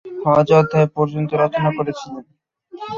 হজ্জ অধ্যায় পর্যন্ত রচনা করেছিলেন।